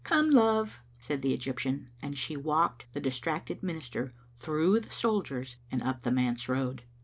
"Come, love," said the Egyptian, and she walked the distracted minister through the soldiers and up the manse road.